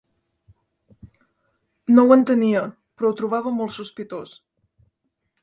No ho entenia, però ho trobava molt sospitós